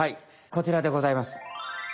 こちらでございます。